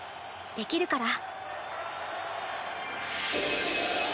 できるから。